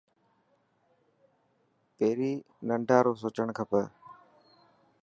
پهرين ننڍان رو سوچڻ کپي.